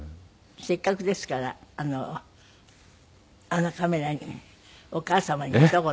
せっかくですからあのカメラにお母様にひと言。